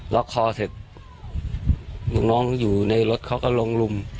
ล็อกคอเสร็จลูกน้องอยู่ในรถเขาก็ลงลุม